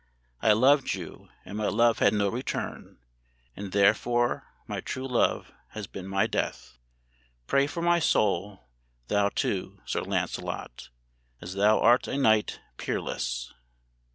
("I loved you, and my love had no return, And therefore my true love has been my death. "Pray for my soul, thou too. Sir Lancelot, As thou art a knight peerless.")